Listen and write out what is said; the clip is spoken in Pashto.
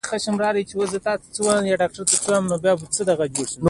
بيا نو هرکلی ورته وايي او تر اغېز لاندې يې راځي.